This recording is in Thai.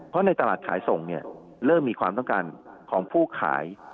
เพราะในตลาดขายส่งเนี่ยเริ่มมีความต้องการของผู้ขาย